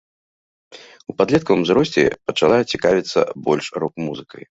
У падлеткавым узросце, пачала цікавіцца больш рок-музыкай.